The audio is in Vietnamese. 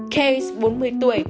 kase bốn mươi tuổi